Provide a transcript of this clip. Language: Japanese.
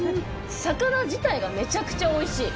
魚自体がめちゃくちゃおいしい。